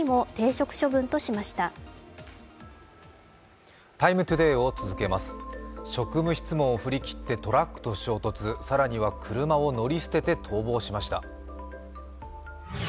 職務質問を振り切ってトラックと衝突、更には車を乗り捨てて逃亡しました。